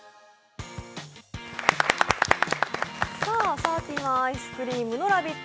サーティワンアイスクリームのラヴィット！